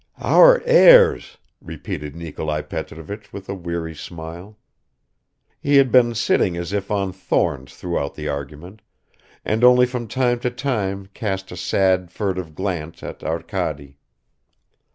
"Our heirs!" repeated Nikolai Petrovich with a weary smile. He had been sitting as if on thorns throughout the argument, and only from time to time cast a sad furtive glance at Arkady.